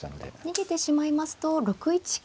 逃げてしまいますと６一角と。